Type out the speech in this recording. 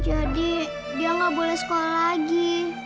jadi dia nggak boleh sekolah lagi